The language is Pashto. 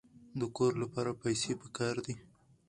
د کور لپاره پیسې پکار دي.